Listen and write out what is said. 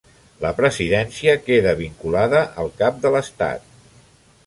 La Presidència queda vinculada al Cap de l'Estat.